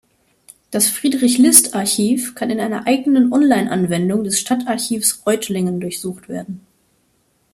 Das Friedrich-List-Archiv kann in einer eigenen Online-Anwendung des Stadtarchivs Reutlingen durchsucht werden.